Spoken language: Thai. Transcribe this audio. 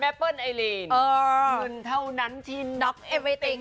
แม่เปิ้ลไอลีนกศังเงินเถ่านั้นที่เบิ้ลไอเหลน